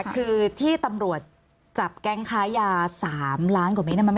คือที่ตำรวจจับแก๊งค้ายา๓ล้านกว่าเมตร